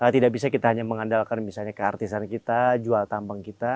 tidak bisa kita hanya mengandalkan misalnya keartisan kita jual tambang kita